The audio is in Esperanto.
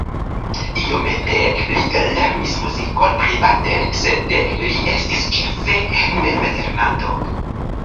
Iomete li lernis muzikon private, sed li estis ĉefe memlernanto.